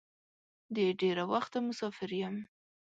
د ډېره وخته مسافر یم.